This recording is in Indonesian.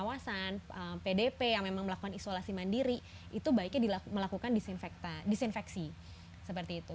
kalau misalnya orang orang yang memang melakukan isolasi mandiri itu baiknya melakukan disinfeksi seperti itu